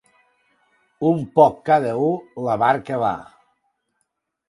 Un poc cada u, la barca va.